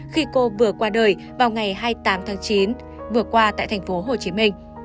khi cô vừa qua đời vào ngày hai mươi tám tháng chín vừa qua tại tp hcm